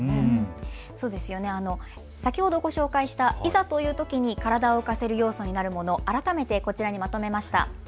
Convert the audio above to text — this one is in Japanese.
先ほどご紹介したいざというときに体を浮かせる要素になるもの、改めてこちらにまとめました。